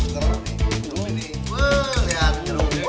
gak mau gak mau